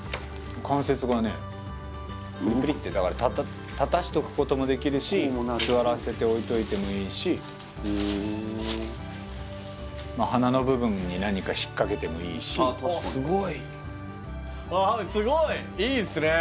関節がねクリクリってだから立たしとくこともできるし座らせて置いといてもいいしへえ鼻の部分に何か引っ掛けてもいいしあ確かにすごいああすごい！ええ？